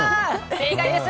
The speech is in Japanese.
正解です。